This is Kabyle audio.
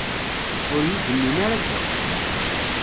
Ur yi-d-nnin ara akka.